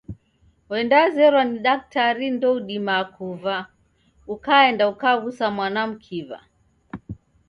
Wendazerwa ni daktrari ndoudima kuva, ukaenda ukaw'usa mwana mkiw'a.